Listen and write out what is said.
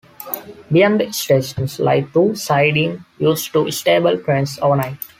Beyond the station lie two sidings used to stable trains overnight.